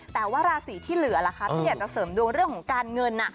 แต่ว่าราศีที่เหลือล่ะคะที่อยากจะเสริมดวงเรื่องของการเงิน